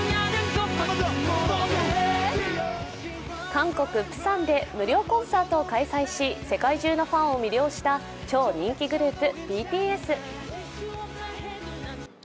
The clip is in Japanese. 韓国・プサンで無料コンサートを開催し世界中のファンを魅了した超人気グループ・ＢＴＳ。